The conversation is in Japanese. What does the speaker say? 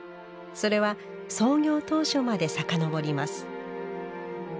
それは創業当初まで遡ります。